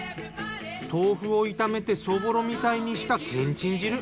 豆腐を炒めてそぼろみたいにしたけんちん汁。